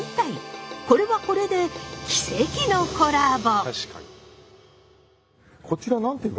これはこれで奇跡のコラボ！